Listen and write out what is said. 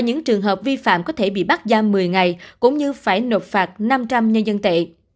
những trường hợp vi phạm có thể bị bắt giam một mươi ngày cũng như phải nộp phạt năm trăm linh nhân dân tệ